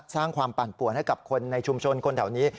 สร้างความปั่นป่วนให้กับคนในชุมชนคนแถวนี้